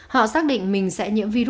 họ xác định mình sẽ nhiễm virus